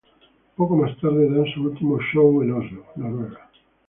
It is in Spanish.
Poco más tarde dan su último show en Oslo, Noruega.